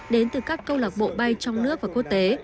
đến từ các câu lạc bộ bay trong nước và quốc tế